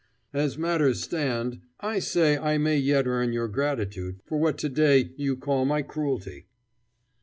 As matters stand, I say I may yet earn your gratitude for what to day you call my cruelty."